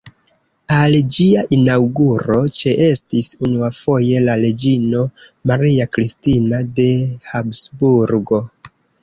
Al ĝia inaŭguro ĉeestis unuafoje la reĝino Maria Kristina de Habsburgo.